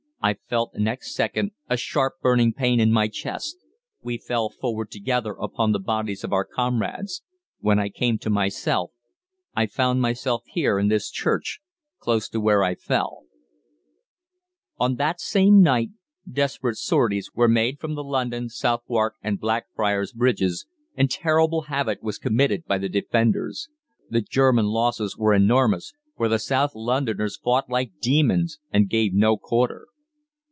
"I felt next second a sharp burning pain in my chest.... We fell forward together upon the bodies of our comrades.... When I came to myself I found myself here, in this church, close to where I fell." On that same night desperate sorties were made from the London, Southwark, and Blackfriars Bridges, and terrible havoc was committed by the Defenders. The German losses were enormous, for the South Londoners fought like demons and gave no quarter.